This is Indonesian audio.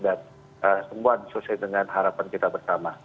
dan semua diselesaikan dengan harapan kita bersama